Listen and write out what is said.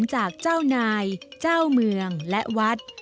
จากเจ้านายเจ้าเมืองและวัด